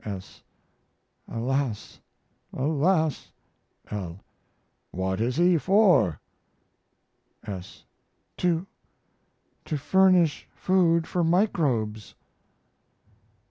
S. Alas alas! L. What is he for? S. To to furnish food for microbes.